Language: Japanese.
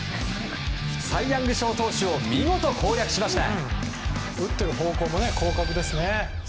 サイ・ヤング賞投手を見事、攻略しました。